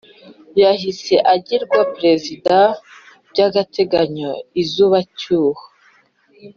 yahise agirwa prezida byagateganyo, inzuba cyuho